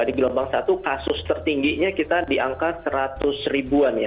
di gelombang satu kasus tertingginya kita di angka seratus ribuan ya